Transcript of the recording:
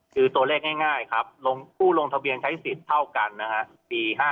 คือตัวเลขง่ายครับผู้ลงทะเบียนใช้สิทธิ์เท่ากันนะฮะปี๕๗